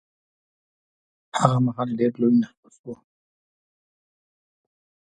هغه مهال ډېر لوی نفوس و.